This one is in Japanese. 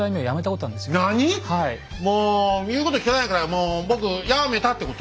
「もう言うこと聞かないからもう僕やめた！」ってこと？